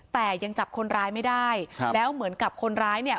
แต่ยังจับคนร้ายไม่ได้ครับแล้วเหมือนกับคนร้ายเนี่ย